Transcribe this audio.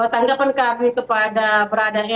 tanggapan kami kepada beradanya